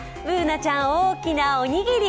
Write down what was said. Ｂｏｏｎａちゃん、大きなおにぎり。